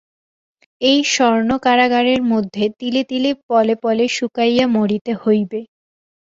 এই স্বর্ণকারাগারের মধ্যে তিলে তিলে পলে পলে শুকাইয়া মরিতে হইবে!